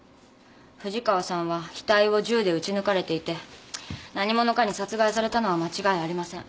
藤川さんは額を銃で撃ち抜かれていて何者かに殺害されたのは間違いありません。